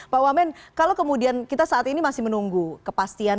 pak wamen kalau kemudian kita saat ini masih menunggu kepastian